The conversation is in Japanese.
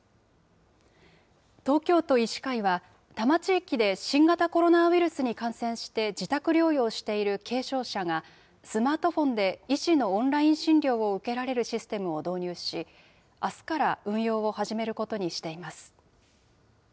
東京都医師会は、多摩地域で新型コロナウイルスに感染して自宅療養している軽症者が、スマートフォンで医師のオンライン診療を受けられるシステムを導入し、あすから運用を始めることにしています。